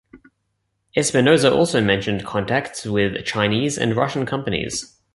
Espinoza also mentioned contacts with Chinese and Russian companies.